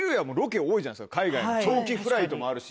海外長期フライトもあるし。